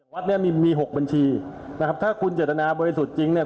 วัดเนี่ยมีมีหกบัญชีนะครับถ้าคุณเจตนาบริสุทธิ์จริงเนี่ย